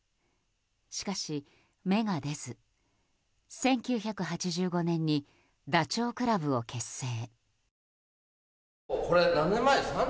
しかし芽が出ず、１９８５年にダチョウ倶楽部を結成。